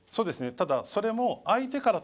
ただそれも。